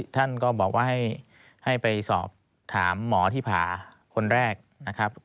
ท่านก็บอกว่าให้ไปสอบถามหมอที่ผ่าคนแรกนะครับ